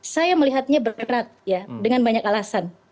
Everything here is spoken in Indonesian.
saya melihatnya berat ya dengan banyak alasan